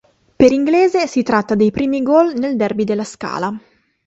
Per Inglese si tratta dei primi gol nel derby della Scala.